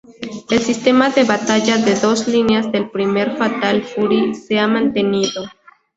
El sistema de batalla de dos lineas del primer Fatal Fury se ha mantenido.